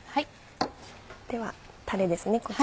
ではタレですね。